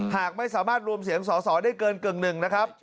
หากไม่สามารถรวมเสียงสอสอได้เกินกึ่งหนึ่งนะครับ